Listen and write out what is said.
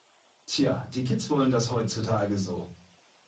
Tja, die Kids wollen das heutzutage so.